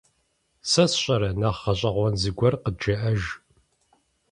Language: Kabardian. Сэ сщӀэрэ, нэхъ гъэщӀэгъуэну зыгуэр къыджеӀэж.